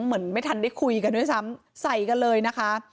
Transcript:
เหมือนไม่ทันได้คุยกันด้วยซ้ำใส่กันเลยนะคะ